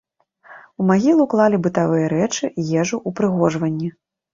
У магілу клалі бытавыя рэчы, ежу, упрыгожванні.